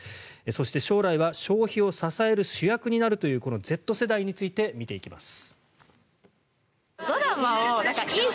そして、将来は消費を支える主役になるというＺ世代について見ていきます。